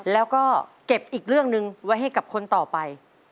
แล้วก็เก็บอีกเรื่องหนึ่งไว้ให้กับคนต่อไป